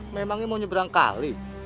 memangnya mau nyeberang kali